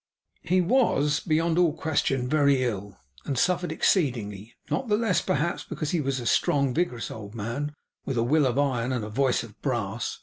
He was, beyond all question, very ill, and suffered exceedingly; not the less, perhaps, because he was a strong and vigorous old man, with a will of iron, and a voice of brass.